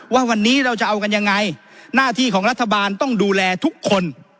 ว่าวันนี้เราจะเอากันยังไงหน้าที่ของรัฐบาลต้องดูแลทุกคน